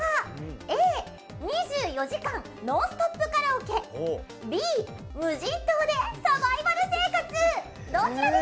Ａ、２４時間ノンストップカラオケＢ、無人島でサバイバル生活。